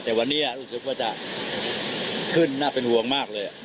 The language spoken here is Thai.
แต่วันนี้รู้สึกว่าจะขึ้นน่าเป็นห่วงมากเลย